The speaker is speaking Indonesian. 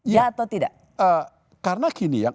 ya atau tidak karena gini ya